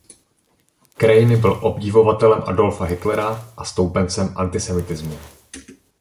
Crane byl obdivovatelem Adolfa Hitlera a stoupencem antisemitismu.